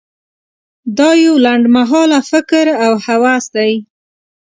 دا یو لنډ مهاله فکر او هوس دی.